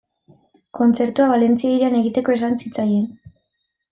Kontzertua Valentzia hirian egiteko esan zitzaien.